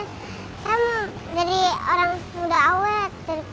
saya mau jadi orang muda awet